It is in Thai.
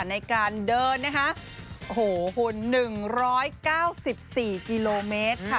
ในการเดินโหหนึ่งร้อยเก้าสิบสี่กิโลเมตรค่ะ